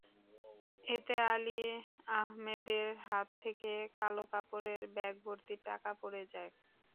এতে আলী আহমেদের হাত থেকে কালো কাপড়ের ব্যাগভর্তি টাকা পড়ে যায়।